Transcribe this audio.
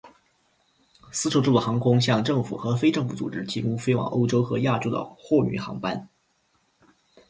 丝绸之路航空向政府和非政府组织提供飞往欧洲和亚洲的货运航班。